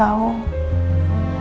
ya walaupun aku tau